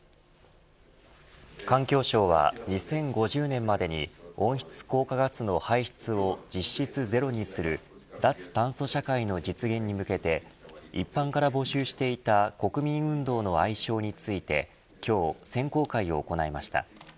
環境省は２０５０年までに温室効果ガスの排出を実質ゼロにする脱炭素社会の実現に向けて一般から募集していた国民運動の愛称について今日、選考会を行いました。